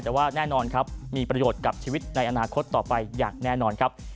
แต่ว่าแน่นอนครับมีประโยชน์กับชีวิตในอนาคตต่อไปอย่างแน่นอนครับ